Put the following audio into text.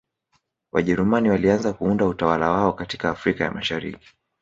Wajerumani walianza kuunda utawala wao katika Afrika ya Mashariki